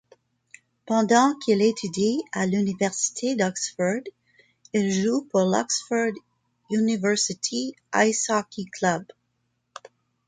Pendant qu'il étudie à l'université d'Oxford, il joue pour l'Oxford University Ice Hockey Club.